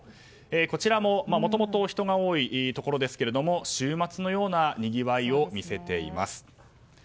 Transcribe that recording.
こちらももともと人が多いところですが週末のようなにぎわいを見せています。